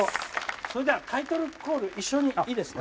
それではタイトルコール一緒にいいですか？